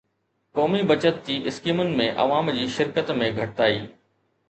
قومي بچت جي اسڪيمن ۾ عوام جي شرڪت ۾ گهٽتائي